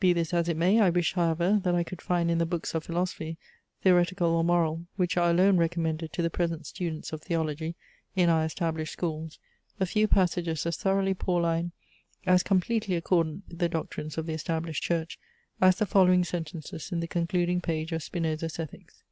Be this as it may, I wish, however, that I could find in the books of philosophy, theoretical or moral, which are alone recommended to the present students of theology in our established schools, a few passages as thoroughly Pauline, as completely accordant with the doctrines of the Established Church, as the following sentences in the concluding page of Spinoza's Ethics.